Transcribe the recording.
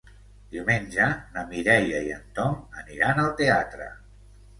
Diumenge na Mireia i en Tom aniran al teatre.